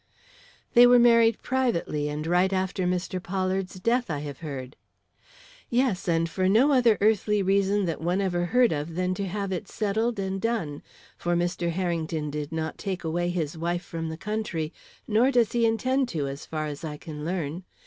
"They were married privately and right after Mr. Pollard's death, I have heard." "Yes, and for no other earthly reason that one ever heard of than to have it settled and done; for Mr. Harrington did not take away his wife from the country; nor does he intend to as far as I can learn.